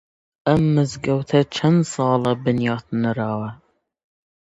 ئەم مزگەوتە چەند ساڵە بنیات نراوە؟